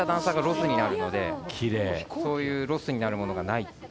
そういうロスになるものが無い。